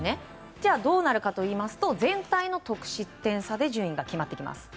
じゃあ、どうなるかといいますと全体の得失点差で順位が決まってきます。